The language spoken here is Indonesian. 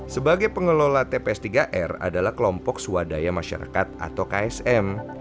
sebagai pengelola tps tiga r adalah kelompok swadaya masyarakat atau ksm